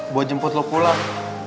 buat jemput lo pulang